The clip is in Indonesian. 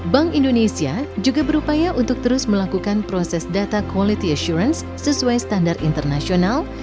bank indonesia juga berupaya untuk terus melakukan proses data quality assurance sesuai standar internasional